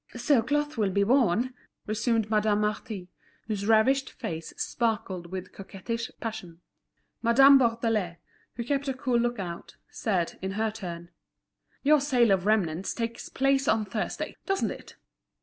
"So cloth will be worn?" resumed Madame Marty, whose ravished face sparkled with coquettish passion. Madame Bourdelais, who kept a cool look out, said, in her turn: "Your sale of remnants takes place on Thursday, doesn't it?